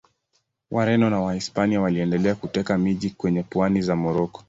Wareno wa Wahispania waliendelea kuteka miji kwenye pwani za Moroko.